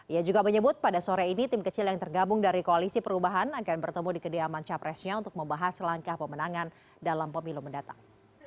ia juga menyebut pada sore ini tim kecil yang tergabung dari koalisi perubahan akan bertemu di kediaman capresnya untuk membahas langkah pemenangan dalam pemilu mendatang